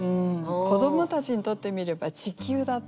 子どもたちにとってみれば「ちきゅう」だった。